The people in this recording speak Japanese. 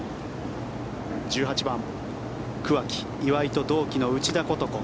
１８番、桑木、岩井と同期の内田ことこ。